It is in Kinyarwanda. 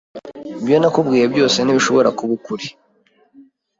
Ibyo nakubwiye byose ntibishobora kuba ukuri.